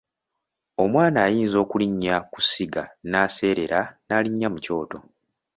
Omwana ayinza okulinnya ku ssiga n'aseerera n'alinnya mu Kyoto.